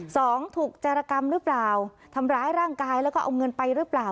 สองถูกจรกรรมหรือเปล่าทำร้ายร่างกายแล้วก็เอาเงินไปหรือเปล่า